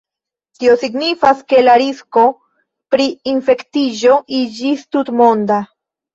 Tio signifas ke la risko pri infektiĝo iĝis tutmonda.